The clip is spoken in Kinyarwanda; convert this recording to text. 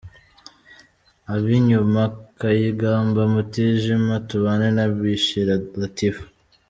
Ab’inyuma:Kayigamba ,Mutijima ,Tubane na Bishira Latifu.